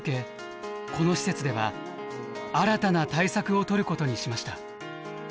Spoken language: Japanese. この施設では新たな対策をとることにしました。